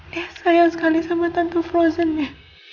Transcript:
dia sayang sekali sama tante frozennya